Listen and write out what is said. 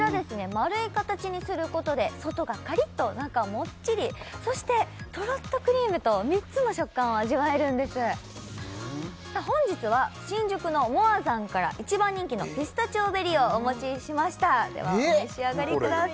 丸い形にすることで外がカリッと中もっちりそしてトロッとクリームと３つの食感を味わえるんです本日は新宿のＭＯＲＥＴＨＡＮから一番人気のピスタチオベリーをお持ちしましたではお召し上がりください